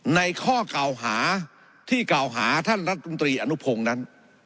ในข้อกล่าวหาที่กล่าวหาท่านรัฐมนตรีอนุพงศ์นั้น